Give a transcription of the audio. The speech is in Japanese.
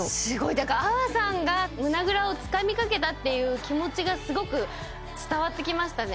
だから粟さんが胸ぐらをつかみかけたっていう気持ちがすごく伝わってきましたね